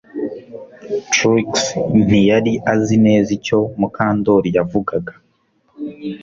Trix ntiyari azi neza icyo Mukandoli yavugaga